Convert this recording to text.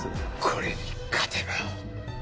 これに勝てば。